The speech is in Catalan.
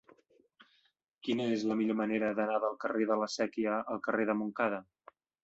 Quina és la millor manera d'anar del carrer de la Sèquia al carrer de Montcada?